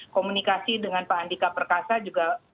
komunikasi dengan pak andika perkasa juga